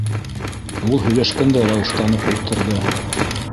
Ул һөйләшкәндә лә уфтанып ултырҙы.